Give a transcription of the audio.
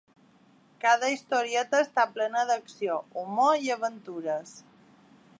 Cada historieta està plena d'acció, humor i aventures.